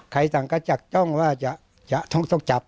ใครสั่งก็จับจ้องว่าจะต้องจับ